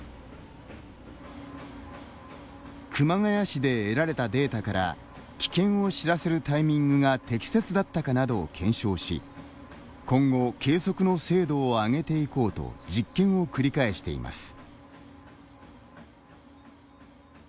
熊谷市で得られたデータから危険を知らせるタイミングが適切だったかなどを検証し今後、計測の精度を上げていこうと実験を繰り返しています。